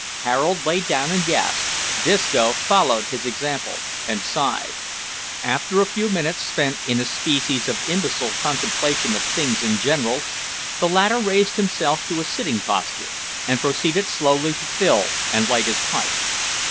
Harold lay down and gasped, Disco followed his example, and sighed. After a few minutes spent in a species of imbecile contemplation of things in general, the latter raised himself to a sitting posture, and proceeded slowly to fill and light his pipe.